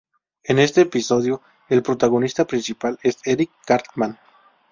En este episodio el protagonista principal es Eric Cartman.